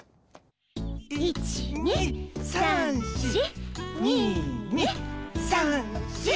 １２３４２２３４。